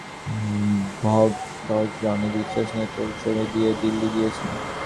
ভগতজি অনেক বিশ্বাস নিয়ে তোর ছবি নিয়ে দিল্লি গিয়েছে।